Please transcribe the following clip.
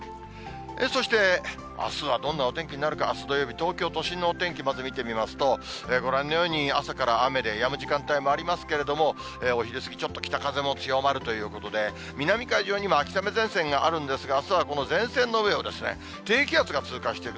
そしてあすはどんなお天気になるか、あす土曜日、東京都心のお天気、まず見てみますと、ご覧のように朝から雨でやむ時間もありますけれども、お昼過ぎ、ちょっと北風も強まるということで、南海上にも秋雨前線があるんですが、あすはこの前線の上を低気圧が通過していく。